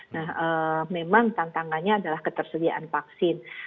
nah memang tantangannya adalah ketersediaan vaksin